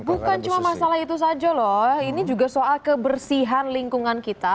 bukan cuma masalah itu saja loh ini juga soal kebersihan lingkungan kita